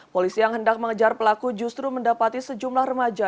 polisi yang hendak mengejar pelaku justru mendapati sejumlah remaja